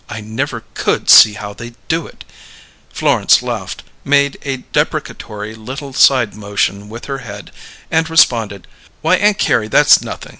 I never could see how they do it," Florence laughed, made a deprecatory little side motion with her head, and responded, "Why, Aunt Carrie, that's nothing!